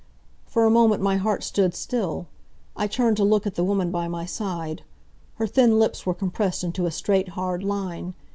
For a moment my heart stood still. I turned to look at the woman by my side. Her thin lips were compressed into a straight, hard line.